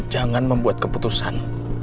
jangan membuat keputusan